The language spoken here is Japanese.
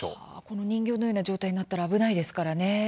この人形のような状態になったら危ないですからね。